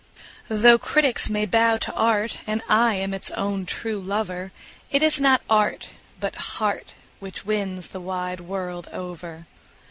Though critics may bow to art, and I am its own true lover, It is not art, but heart, which wins the wide world over.